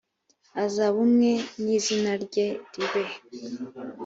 azaba umwe nizina rye ribe